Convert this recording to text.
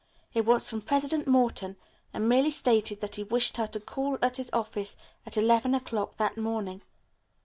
It was from President Morton, and merely stated that he wished her to call at his office at eleven o'clock that morning.